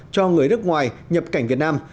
cho người nước ngoài nhập cảnh việt nam